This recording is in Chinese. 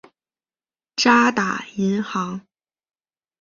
渣打银行。